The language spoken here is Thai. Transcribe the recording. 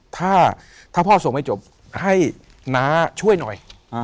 ถ้าพ่อส่งไม่จบให้น้าช่วยหน่อย